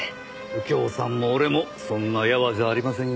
右京さんも俺もそんなやわじゃありませんよ。